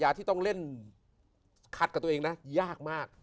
ที่ต้องเล่นคัดกับตัวเองนะยากมาก